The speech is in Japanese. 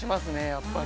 やっぱり。